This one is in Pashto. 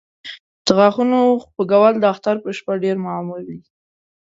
د غاښونو خوږول د اختر په شپه ډېر معمول دی.